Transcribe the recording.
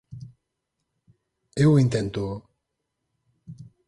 Eu inténtoo.